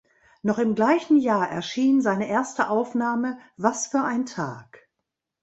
Noch im gleichen Jahr erschien seine erste Aufnahme "Was für ein Tag".